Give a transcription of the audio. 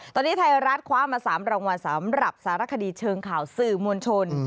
ตอนนี้ไทยรัฐคว้ามา๓รางวัลสำหรับสารคดีเชิงข่าวสื่อมวลชน